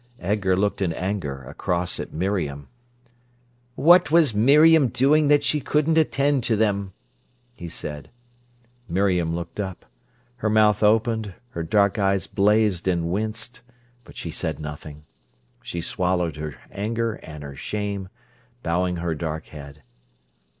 Edgar looked in anger across at Miriam. "What was Miriam doing that she couldn't attend to them?" he said. Miriam looked up. Her mouth opened, her dark eyes blazed and winced, but she said nothing. She swallowed her anger and her shame, bowing her dark head.